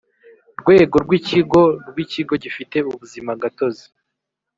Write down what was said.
rwego rw ikigo rw ikigo gifite ubuzima gatozi